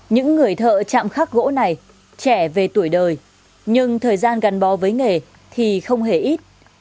những người thợ chạm khắc gỗ này trẻ về tuổi đời nhưng thời gian gắn bó với nghề thì không hề ít